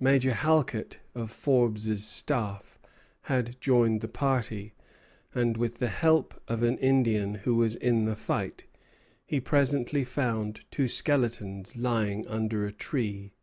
Major Halket, of Forbes' staff, had joined the party; and, with the help of an Indian who was in the fight, he presently found two skeletons lying under a tree.